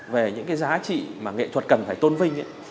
về những cái giá trị mà nghệ thuật cần phải tôn vinh